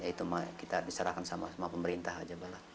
ya itu mah kita diserahkan sama pemerintah aja pak lalu